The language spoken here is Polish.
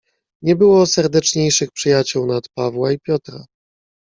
"Nie było serdeczniejszych przyjaciół nad Pawła i Piotra."